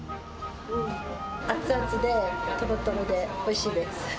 熱々で、とろとろで、おいしいです。